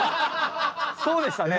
そうでしたね。